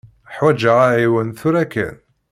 Ḥwaǧeɣ aɛiwen tura kan.